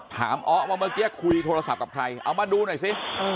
อ้อว่าเมื่อกี้คุยโทรศัพท์กับใครเอามาดูหน่อยสิ